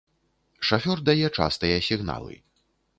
Шафёр дае частыя сігналы.